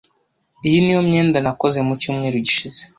Iyi niyo myenda nakoze mu cyumweru gishize.